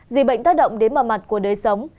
dịch bệnh tác động đến mọi mặt của đời sống